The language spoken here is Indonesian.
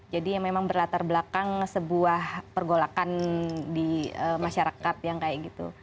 jadi yang memang berlatar belakang sebuah pergolakan di masyarakat yang kayak gitu